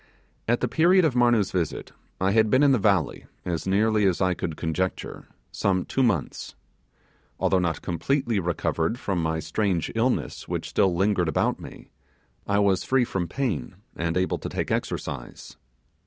At the period of Marnoo's visit, I had been in the valley, as nearly as I could conjecture, some two months. Although not completely recovered from my strange illness, which still lingered about me, I was free from pain and able to take exercise.